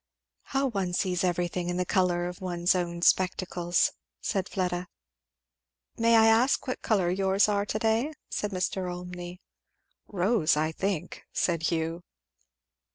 "How one sees everything in the colour of one's own spectacles," said Fleda. "May I ask what colour yours are to day?" said Mr. Olmney. "Rose, I think," said Hugh.